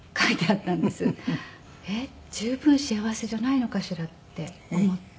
えっ十分幸せじゃないのかしらって思って。